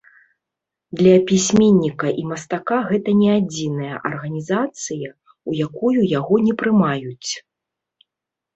Для пісьменніка і мастака гэта не адзіная арганізацыя, у якую яго не прымаюць.